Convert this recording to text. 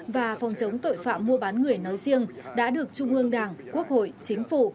và phòng chống tội phạm mua bán người nói riêng đã được trung ương đảng quốc hội chính phủ